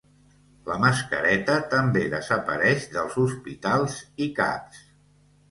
La mascareta també desapareix dels hostpitals i Caps